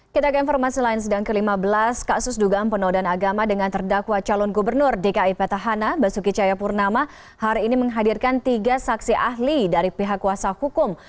kita ke informasi lain sedang ke lima belas kasus dugaan penodan agama dengan terdakwa calon gubernur dki petahana basuki cayapurnama hari ini menghadirkan tiga saksi ahli dari pihak kuasa hukum